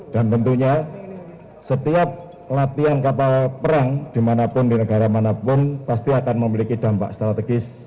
dan tentunya setiap latihan kapal perang dimanapun di negara manapun pasti akan memiliki dampak strategis